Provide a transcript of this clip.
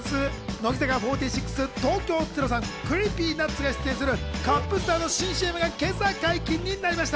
乃木坂４６、東京０３、ＣｒｅｅｐｙＮｕｔｓが出演するカップスターの新ＣＭが今朝、解禁になりました。